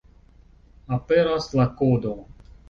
Aperas la kodo.